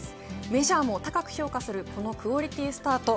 メジャーも高く評価するこのクオリティースタート。